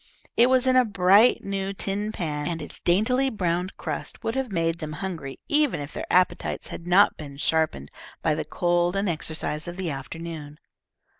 It was in a bright new tin pan, and its daintily browned crust would have made them hungry even if their appetites had not been sharpened by the cold and exercise of the afternoon.